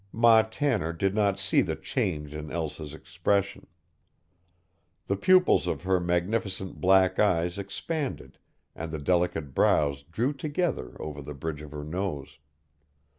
Ma Tanner did not see the change in Elsa's expression. The pupils of her magnificent black eyes expanded and the delicate brows drew together over the bridge of her nose.